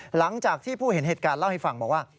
หลังจากที่ผู้เห็นเหตุการณ์เล่าให้ฟังบอกว่า